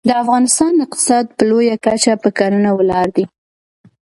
د افغانستان اقتصاد په لویه کچه په کرنه ولاړ دی